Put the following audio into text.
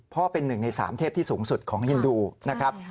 เป็นหนึ่งในสามเทพที่สูงสุดของฮินดูนะครับ